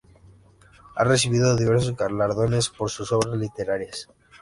Ha recibido diversos galardones por sus obras literarias.